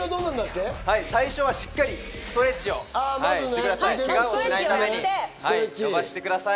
最初はしっかりストレッチをしてください。